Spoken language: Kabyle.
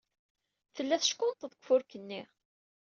Tella teckunṭeḍ deg ufurk-nni.